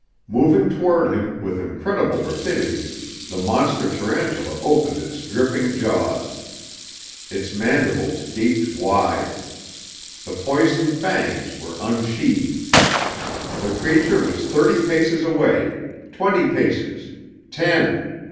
Moving toward him with incredible rapidity, the monster tarantula opened its dripping jaws. Its mandibles gaped wide. The poison fangs were unsheathed. The creature was thirty paces away, twenty paces ten.